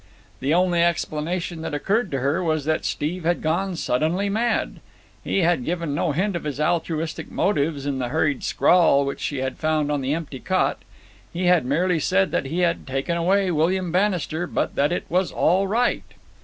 The only explanation that occurred to her was that Steve had gone suddenly mad. He had given no hint of his altruistic motives in the hurried scrawl which she had found on the empty cot. He had merely said that he had taken away William Bannister, but that "it was all right."